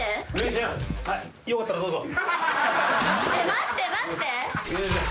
待って待って！